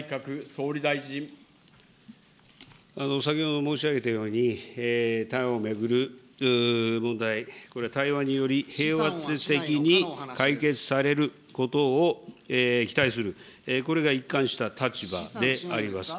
先ほど申し上げたように、台湾を巡る問題、これは対話により平和裏的に解決されることを期待する、これが一貫した立場であります。